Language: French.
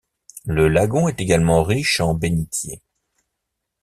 Le lagon est également riche en bénitiers.